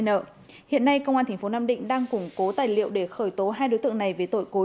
nợ hiện nay công an tp nam định đang củng cố tài liệu để khởi tố hai đối tượng này về tội cối